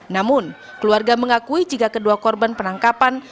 namun keluarga mengakui jika kedua korban penangkapan